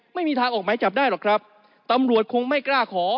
ไม่มีทางออกหมายจับได้หรอกครับตำรวจคงไม่กล้าขอ